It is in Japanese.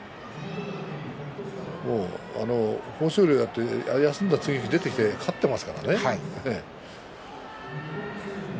豊昇龍も休んだ翌日、出てきて勝っていますからね。